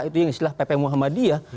itu yang istilah pp muhammadiyah